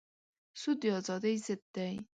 سود د ازادۍ ضد دی.